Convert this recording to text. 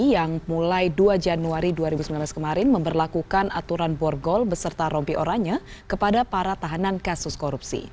yang mulai dua januari dua ribu sembilan belas kemarin memperlakukan aturan borgol beserta rompi oranya kepada para tahanan kasus korupsi